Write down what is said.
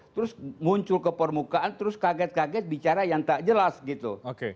terus muncul ke permukaan terus kaget kaget bicara yang tak jelas gitu